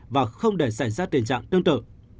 và không để xảy ra tình trạng tương tự